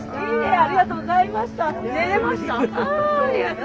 あありがとうございました。